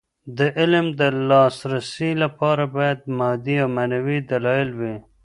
د علم د لاسرسي لپاره باید مادي او معنوي دلايل وي.